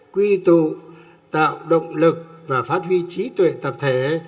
quy tụ tạo động lực và phát huy trí tuệ tập thể